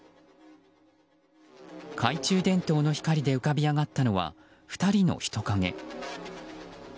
懐中電灯の光で浮かび上がったのは２人の人影。